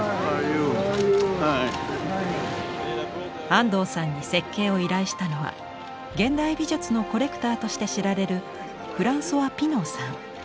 安藤さんに設計を依頼したのは現代美術のコレクターとして知られるフランソワ・ピノーさん。